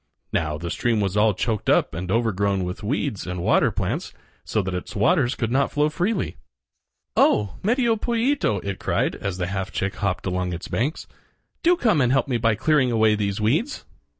Now, the stream was all choked up and overgrown with weeds and water plants, so that its waters could not flow freely. "Oh! Medio Pollito," it cried as the half chick hopped along its banks, "do come and help me by clearing away these weeds."